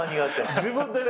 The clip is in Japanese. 自分でね